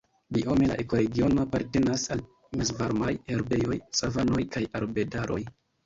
Biome la ekoregiono apartenas al mezvarmaj herbejoj, savanoj kaj arbedaroj.